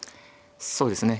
そうですね。